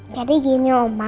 jadi gini oma